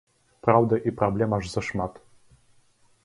Праўда, і праблем аж зашмат.